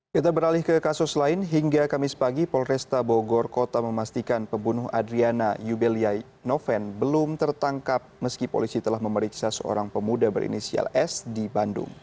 kita beralih ke kasus lain hingga kamis pagi polresta bogor kota memastikan pembunuh adriana yubelia noven belum tertangkap meski polisi telah memeriksa seorang pemuda berinisial s di bandung